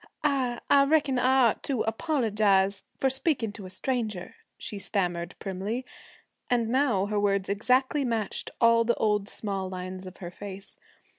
'I I reckon I ought to apologize for speaking to a stranger,' she stammered primly. And now her words exactly matched all the old small lines of her face.